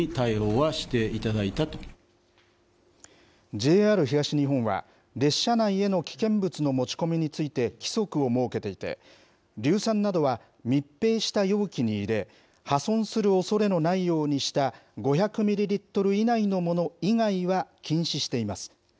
ＪＲ東日本は列車内への危険物の持ち込みについて規則を設けていて、硫酸などは密閉した容器に入れ、破損するおそれのないようにした５００ミリリットル以内のもの以外は禁止しています。